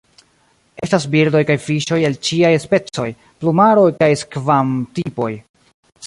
Estas birdoj kaj fiŝoj el ĉiaj specoj, plumaroj kaj skvam-tipoj.